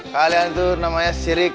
kalian tuh namanya sirik